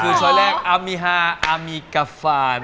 คือซอยแรกอามีฮาอามีกาฟาน